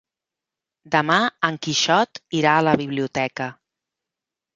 Demà en Quixot irà a la biblioteca.